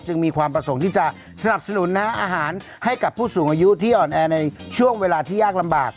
มีความประสงค์ที่จะสนับสนุนอาหารให้กับผู้สูงอายุที่อ่อนแอในช่วงเวลาที่ยากลำบาก